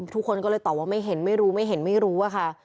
ทุกคนก็เลยตอบว่าไม่เห็นไม่รู้ไม่เห็นไม่รู้อะค่ะ